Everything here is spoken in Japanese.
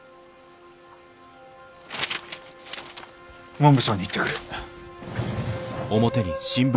文部省に行ってくる。